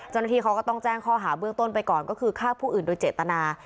เจ้าหน้าที่เขาก็ต้องแจ้งข้อหาเบื้องต้นไปก่อนก็คือฆ่าผู้อื่นโดยเจตนา